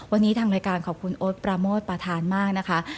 วันนี้ทางรายการขอบคุณโอ๊ตปราโมทประธานมากนะคะ